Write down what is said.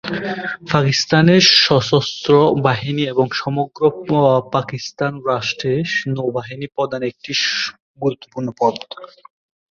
পাকিস্তানের সশস্ত্র বাহিনী এবং সমগ্র পাকিস্তান রাষ্ট্রে নৌবাহিনী প্রধান একটি গুরুত্বপূর্ণ পদ।